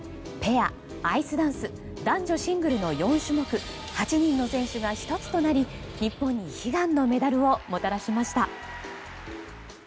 ペア、アイスダンス男女シングルの４種目８人の選手が１つとなり、日本に悲願のメダルをもたらしました。